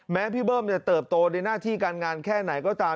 พี่เบิ้มจะเติบโตในหน้าที่การงานแค่ไหนก็ตาม